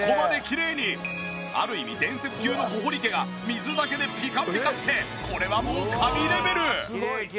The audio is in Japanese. ある意味伝説級の小堀家が水だけでピカピカってこれはもう神レベル！